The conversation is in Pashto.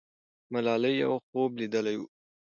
ملالۍ یو خوب لیدلی وو.